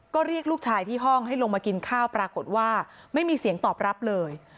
ก็เรียกลูกชายที่ห้องให้ลงมากินข้าวปรากฏว่าไม่มีเสียงตอบรับเลย